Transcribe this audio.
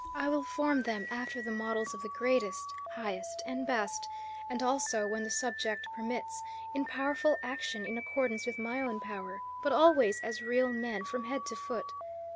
I will form them after the models of the greatest, highest, and best, and also, when the subject permits, in powerful action in accordance with my own power, but always as real men from head to foot.